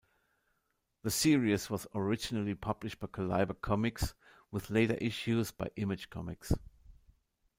The series was originally published by Caliber Comics, with later issues by Image Comics.